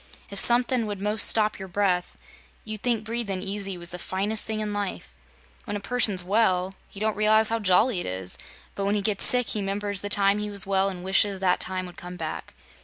"If somethin' would 'most stop your breath, you'd think breathin' easy was the finest thing in life. When a person's well, he don't realize how jolly it is, but when he gets sick he 'members the time he was well, an' wishes that time would come back.